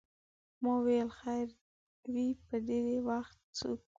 ما ویل خیر وې په دې وخت څوک و.